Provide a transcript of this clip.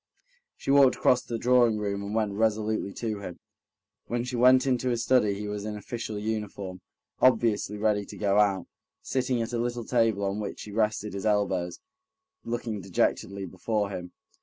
She walked across the drawing room and went resolutely to him. When she went into his study he was in official uniform, obviously ready to go out, sitting at a little table on which he rested his elbows, looking dejectedly before him.